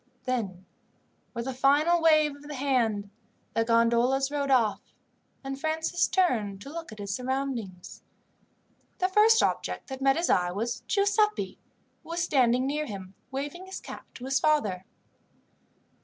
Then, with a final wave of the hand, the gondolas rowed off and Francis turned to look at his surroundings. The first object that met his eye was Giuseppi, who was standing near him waving his cap to his father.